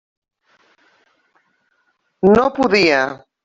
No podia.